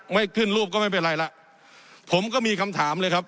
ไม่ขึ้นรูปก็ไม่เป็นไรล่ะผมก็มีคำถามเลยครับ